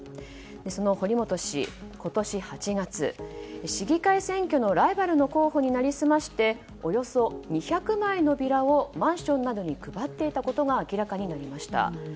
その堀本氏、今年８月市議会選挙のライバルの候補に成り済ましておよそ２００枚のビラをマンションなどに配っていたことが明らかになりました。